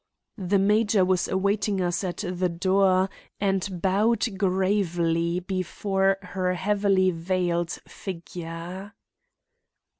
The major was awaiting us at the door and bowed gravely before her heavily veiled figure.